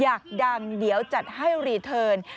อยากดังเดี๋ยวจัดให้รีเทิร์น